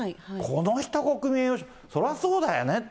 この人、国民栄誉賞、それはそうだよね。